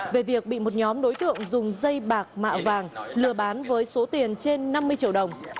về việc bị một nhóm đối tượng dùng dây bạc mạ vàng lừa bán với số tiền trên năm mươi triệu đồng